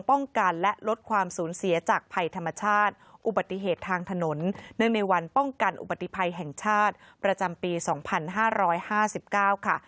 ป้องกันและลดความสูญเสียจาก